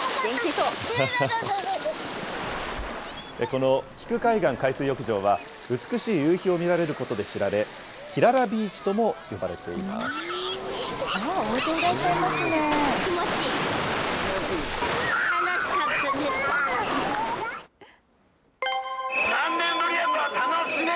この岐久海岸海水浴場は、美しい夕日を見られることで知られ、キララビーチとも呼ばれてい大勢いらっしゃいますね。